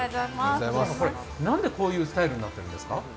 なんでこういうスタイルになっているんですか？